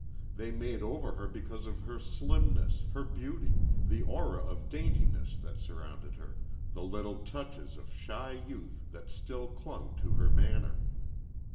They made over her because of her slimness, her beauty, the aura of daintiness that surrounded her, the little touches of shy youth that still clung to her manner.